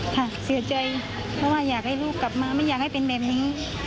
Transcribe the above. ค่ะเสียใจเพราะว่าอยากให้ลูกกลับมาไม่อยากให้เป็นแบบนี้